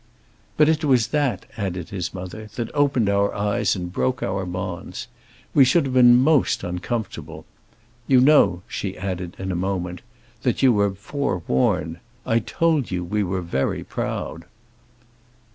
"But it was that," added his mother, "that opened our eyes and broke our bonds. We should have been most uncomfortable! You know," she added in a moment, "that you were forewarned. I told you we were very proud."